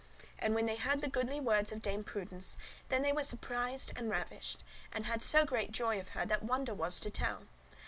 And when they heard the goodly words of Dame Prudence, then they were surprised and ravished, and had so great joy of her, that wonder was to tell.